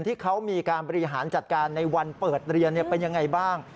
ที่เขามีการบริหารจัดการในวันเปิดเรียนเป็นยังไงบ้าง